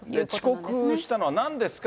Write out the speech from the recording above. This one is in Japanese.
遅刻したのはなんですか？